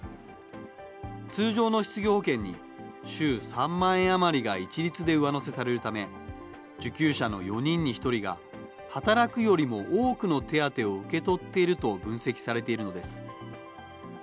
通常の失業保険に、週３万円余りが一律で上乗せされるため、受給者の４人に１人が働くよりも多くの手当を受け取っていると分析されているのです。